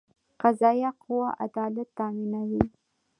قضایه قوه عدالت تامینوي